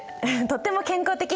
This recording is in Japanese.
とっても健康的。